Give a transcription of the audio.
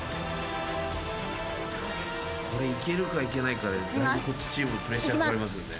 これいけるかいけないかでだいぶこっちチームプレッシャーかかりますよね